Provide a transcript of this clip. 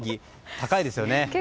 高いですね。